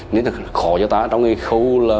nên rất khó cho ta trong khâu